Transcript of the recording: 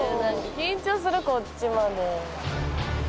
緊張するこっちまで。